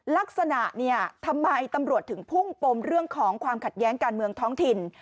ลักษณะเนี่ยทำไมตำรวจถึงพุ่งปมเรื่องของความขัดแย้งการเมืองท้องถิ่น